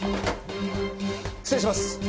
失礼します。